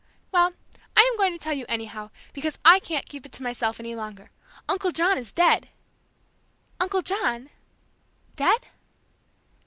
"Well, I am going to tell you anyhow, because I can't keep it to myself any longer! Uncle John is dead!" "Uncle John! Dead?"